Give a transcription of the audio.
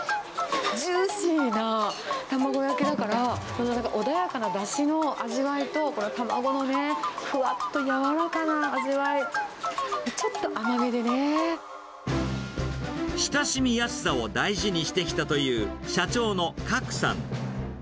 ジューシーな卵焼きだから、穏やかなだしの味わいと、卵のね、ふわっとやわらかな味わい、親しみやすさを大事にしてきたという、社長の郭さん。